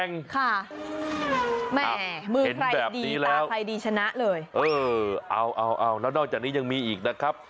เอ้อเอาแล้วนอกจากนี้ยังมีอีกนะครับ